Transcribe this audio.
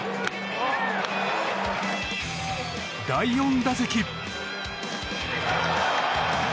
第４打席も。